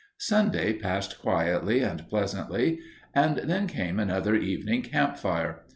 Sunday passed quietly and pleasantly and then came another evening campfire.